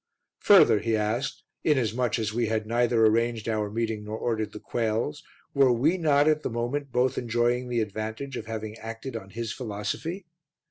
Further he asked, inasmuch as we had neither arranged our meeting nor ordered the quails, were we not at the moment both enjoying the advantage of having acted on his philosophy?